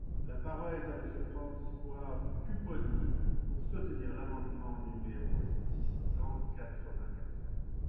La parole est à Monsieur François Pupponi, pour soutenir l’amendement numéro six cent quatre-vingt-quatorze.